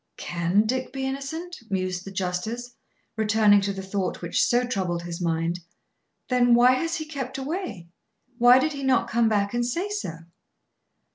"Can Dick be innocent?" mused the justice, returning to the thought which so troubled his mind. "Then why has he kept away? Why did he not come back and say so?"